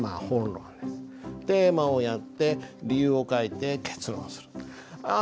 テーマをやって理由を書いて結論する。